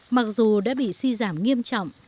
mặc dù đã bị suy giảm nghiêm trọng